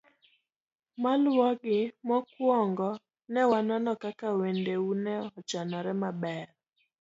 E klasni, ne wanono weche maluwogi; mokwongo, ne wanono kaka wendeu ne ochanore maber.